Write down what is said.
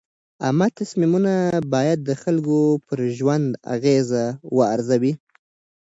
عامه تصمیمونه باید د خلکو پر ژوند اغېز وارزوي.